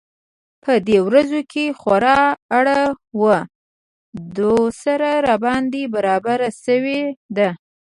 په دې ورځو کې خورا اره و دوسره راباندې برابره شوې ده.